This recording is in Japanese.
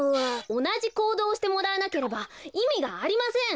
おなじこうどうをしてもらわなければいみがありません！